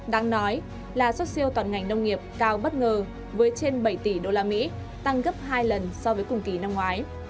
đáng nói là xuất siêu toàn ngành nông nghiệp cao bất ngờ với trên bảy tỷ usd tăng gấp hai lần so với cùng kỳ năm ngoái